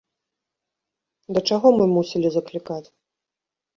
Да чаго мы мусілі заклікаць?